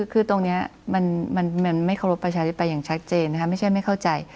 คือตรงนี้มันไม่เคารพประชาธิปไตยอย่างชัดเจนนะคะไม่ใช่ไม่เข้าใจ